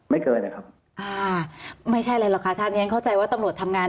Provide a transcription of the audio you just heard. เกินนะครับอ่าไม่ใช่อะไรหรอกค่ะท่านที่ฉันเข้าใจว่าตำรวจทำงาน